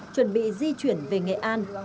chuẩn bị di chuyển về nghệ an